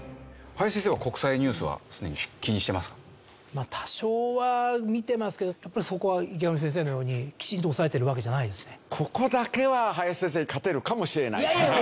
まあ多少は見てますけどやっぱりそこは池上先生のようにきちんと押さえてるわけじゃないですね。